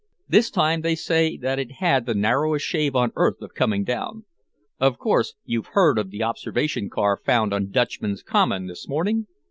This time they say that it had the narrowest shave on earth of coming down. Of course, you've heard of the observation car found on Dutchman's Common this morning?"